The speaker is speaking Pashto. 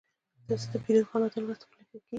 د پیرود خدمتونه ورځ تر بلې ښه کېږي.